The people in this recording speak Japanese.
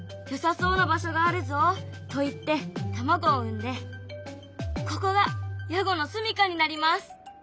よさそうな場所があるぞといって卵を産んでここがヤゴのすみかになります。